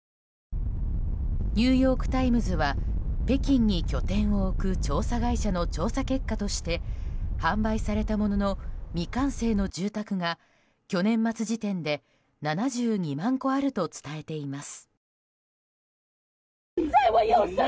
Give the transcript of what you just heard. ニューヨーク・タイムズは北京に拠点を置く調査会社の調査結果として販売されたものの未完成の住宅が去年末時点で７２万戸あると伝えています。